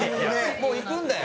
もう行くんだよ。